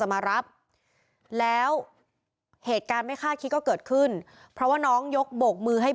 แม่ว่าอย่างนี้